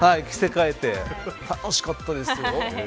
着せ替えて楽しかったですよ。